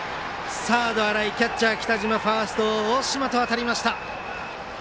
サード、新井キャッチャー、北島ファースト、大島と渡りました。